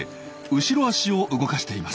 後ろ脚を動かしています。